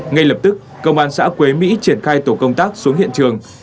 ngay lập tức công an xã quế mỹ triển khai tổ công tác xuống hiện trường